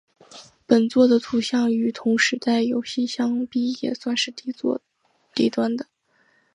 本作的图像与同时代游戏相比也算是低端的。